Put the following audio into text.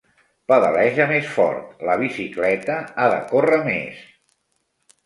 Pedaleja més fort, la bicicleta ha de córrer més!